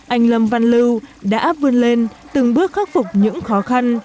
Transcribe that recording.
anh lâm văn lưu đã vươn lên từng bước khắc phục những khó khăn